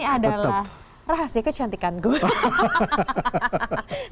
ini adalah rahasia kecantikan gue